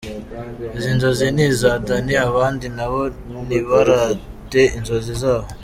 Izi nzozi ni iza Dany abandi nabo nibarote inzozi zabo.